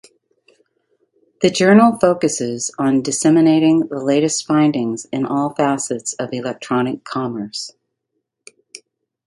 The journal focuses on disseminating the latest findings in all facets of electronic commerce.